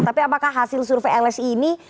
tapi apakah hasil survei lsi ini